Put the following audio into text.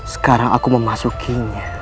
sekarang aku memasukinya